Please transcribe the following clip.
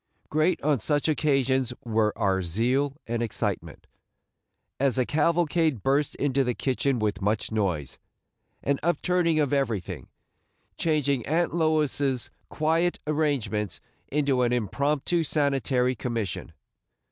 Great on such occasions were our zeal and excitement, as the cavalcade burst into the kitchen with much noise, and upturning of everything, changing Aunt Lois's quiet arrangements into an impromptu sanitary commission.